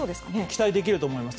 期待できると思います。